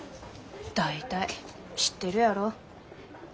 大体知ってるやろ。